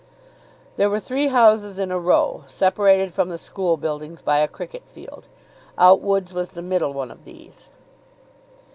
There were three houses in a row, separated from the school buildings by a cricket field. Outwood's was the middle one of these.